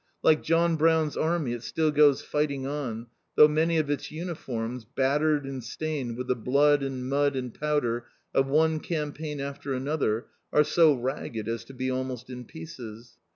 Like John Brown's Army it "still goes fighting on," though many of its uniforms, battered and stained with the blood and mud and powder of one campaign after another, are so ragged as to be almost in pieces.